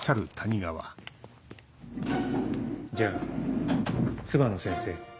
じゃあ諏訪野先生。